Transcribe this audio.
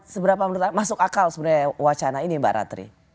seberapa masuk akal sebenarnya wacana ini mbak ratri